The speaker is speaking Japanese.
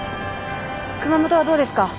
熊本はどうですか？